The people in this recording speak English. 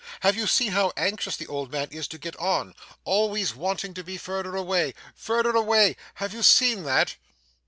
Have you seen how anxious the old man is to get on always wanting to be furder away furder away. Have you seen that?